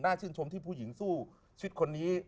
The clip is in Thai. ชื่นชมที่ผู้หญิงสู้ชีวิตคนนี้